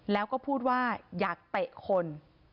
แล้วก็พูดว่าอยากเตะคน